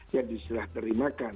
yang diserah terimakan